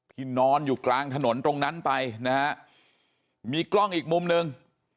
นอนอยู่กลางถนนตรงนั้นไปนะฮะมีกล้องอีกมุมหนึ่ง